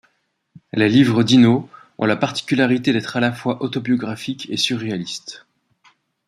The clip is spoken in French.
Les livres d'Hino ont la particularité d'être à la fois autobiographiques et surréalistes.